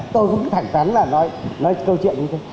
tôi cũng thẳng thắn là nói nói câu chuyện như thế